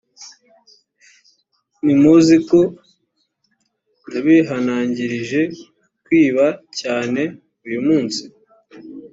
ntimuziko nabihanangirije kwiba cyane uyu munsi